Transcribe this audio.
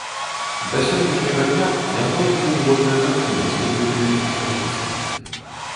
Да сённяшняга дня не знойдзена ніводная карціна з выкрадзенай экспазіцыі.